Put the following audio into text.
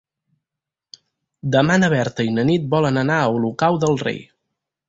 Demà na Berta i na Nit volen anar a Olocau del Rei.